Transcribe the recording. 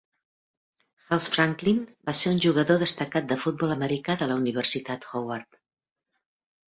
House Franklin va ser un jugador destacat de futbol americà de la Universitat Howard.